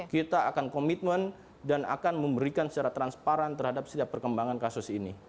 kita akan komitmen dan akan memberikan secara transparan terhadap setiap perkembangan kasus ini